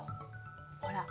ほら。